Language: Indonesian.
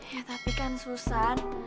ya tapi kan susan